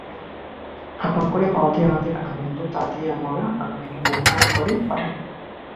আপন করে পাওয়াতেই আমাদের আনন্দ— তাতেই আমরা আপনাকে বহুগুণ করে পাই।